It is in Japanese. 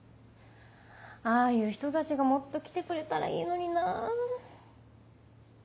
ああいう人たちがもっと来てくれたらいいのになぁ。